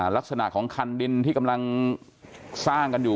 ลักษณะของคันดินที่กำลังสร้างกันอยู่